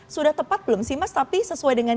sudah tepat belum sih mas tapi sesuai dengan